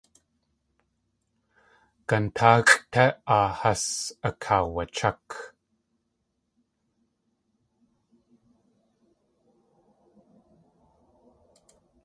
Gandaaxʼ té áa has akaawachák.